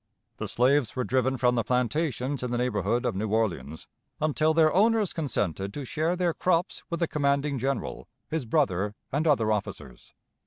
The slaves were driven from the plantations in the neighborhood of New Orleans, until their owners consented to share their crops with the commanding General, his brother, and other officers.